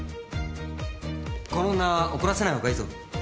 この女怒らせない方がいいぞ。